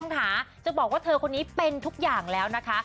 ค่ะจะบอกว่าเธอคนนี้เป็นทุกอย่างแล้วนะคะ